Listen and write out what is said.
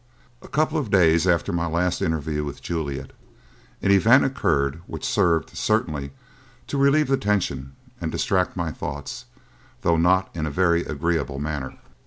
A couple of days after my last interview with Juliet, an event occurred which served, certainly, to relieve the tension and distract my thoughts, though not in a very agreeable manner.